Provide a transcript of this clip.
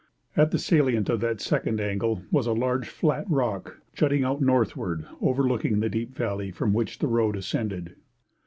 At the salient of that second angle was a large flat rock, jutting out northward, overlooking the deep valley from which the road ascended.